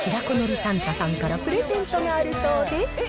サンタさんからプレゼントからあるそうで。